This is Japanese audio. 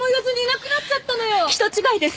人違いです。